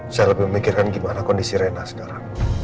saya lebih mikirin gimana kondisi rena sedara